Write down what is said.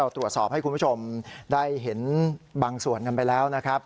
ตรวจสอบให้คุณผู้ชมได้เห็นบางส่วนกันไปแล้วนะครับ